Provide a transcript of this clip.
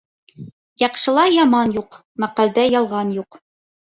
Яҡшыла яман юҡ, мәҡәлдә ялған юҡ.